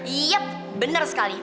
iya bener sekali